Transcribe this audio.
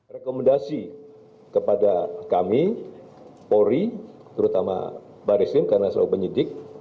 rekomendasi kepada kami polri terutama barisim karena selalu penyidik